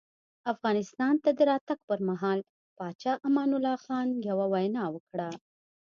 افغانستان ته د راتګ پر مهال پاچا امان الله خان یوه وینا وکړه.